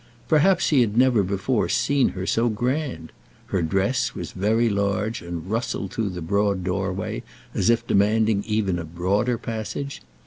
Perhaps he had never before seen her so grand. Her dress was very large, and rustled through the broad doorway, as if demanding even a broader passage.